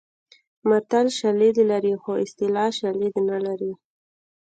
متل شالید لري خو اصطلاح شالید نه لري